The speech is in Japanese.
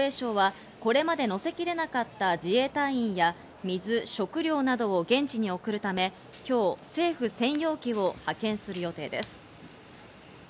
また防衛省はこれまで乗せきれなかった自衛隊員や水、食料などを現地に送るため、今日、政府専用機を派遣する予定です。